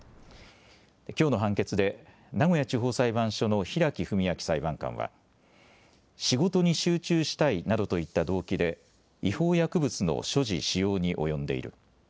きょうの判決で名古屋地方裁判所の平城文啓裁判官は、仕事に集中したいなどといった動機で違法薬物の所持・使用に及んでいる。